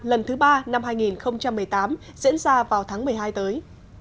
lần thứ ba năm hai nghìn một mươi tám diễn ra vào tháng một mươi hai tới